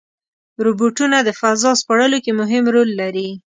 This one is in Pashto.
روبوټونه د فضا سپړلو کې مهم رول لري.